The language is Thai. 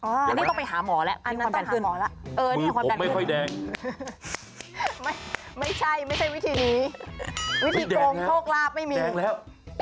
อันนี้ต้องไปหาหมอแล้วอันนั้นต้องหาหมอแล้ว